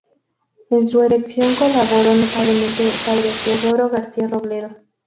En su erección colaboró notablemente el padre Teodoro García Robledo.